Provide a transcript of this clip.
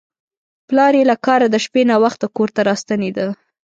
پلار یې له کاره د شپې ناوخته کور ته راستنېده.